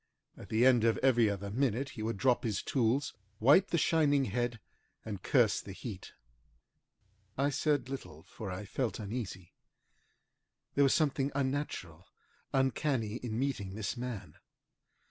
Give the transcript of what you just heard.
At the end of every other minute he would drop his tools, wipe the shining head, and curse the heat. I said little, for I felt uneasy. There was something unnatural, uncanny, in meeting this man.